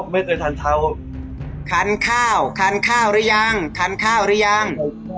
ไม่ได้ทานเท้าทานข้าวทานข้าวหรือยังทานข้าวหรือยัง